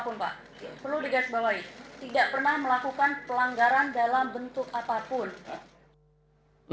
perlu digasbahwai tidak pernah melakukan pelanggaran dalam bentuk apapun